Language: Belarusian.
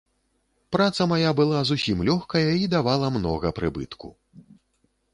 Праца мая была зусім лёгкая і давала многа прыбытку.